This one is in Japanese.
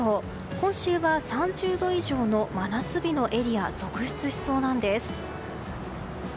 今週は３０度以上の真夏日のエリアが続出しそうなんです。